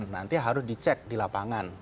nanti harus dicek di lapangan